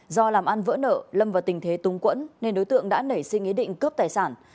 do làm ăn vỡ nợ lâm vào tình thế túng quẫn nên đối tượng đã nảy sinh ý định cướp tài sản